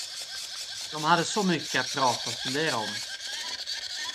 De hade så mycket att prata och fundera om.